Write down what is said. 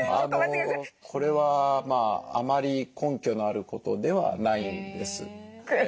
これはあまり根拠のあることではないんです。